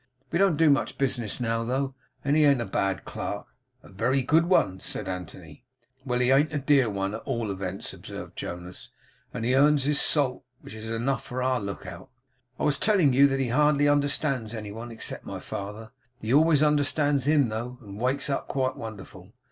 We don't do much business now though, and he an't a bad clerk.' 'A very good one,' said Anthony. 'Well! He an't a dear one at all events,' observed Jonas; 'and he earns his salt, which is enough for our look out. I was telling you that he hardly understands any one except my father; he always understands him, though, and wakes up quite wonderful.